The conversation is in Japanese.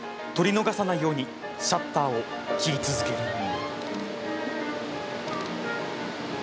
撮り逃さないようにシャッターを切り続ける。